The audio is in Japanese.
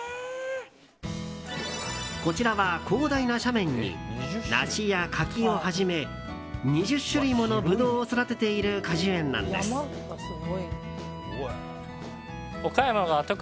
こちらは広大な斜面に梨や柿をはじめ２０種類ものブドウを育てている果樹園なんです。